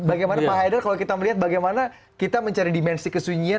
bagaimana pak haidar kalau kita melihat bagaimana kita mencari dimensi kesunyian